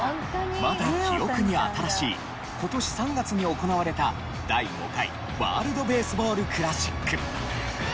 まだ記憶に新しい今年３月に行われた第５回ワールドベースボールクラシック。